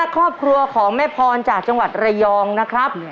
ครอบครัวของแม่พรจากจังหวัดระยองนะครับ